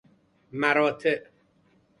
مراتع